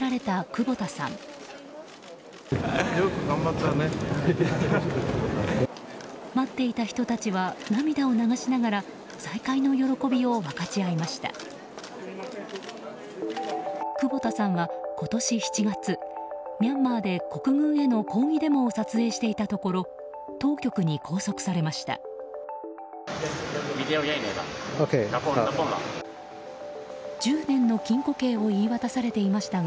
久保田さんは今年７月ミャンマーで国軍への抗議デモを撮影していたところ当局に拘束されました。